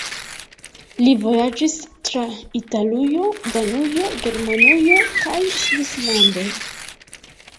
Li vojaĝis tra Italujo, Danujo, Germanujo kaj Svislando.